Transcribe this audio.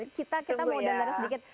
kita mau dengar sedikit